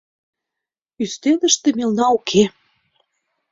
Ӱстелыште мелна уке.